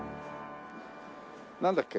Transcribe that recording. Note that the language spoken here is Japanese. なんだっけ？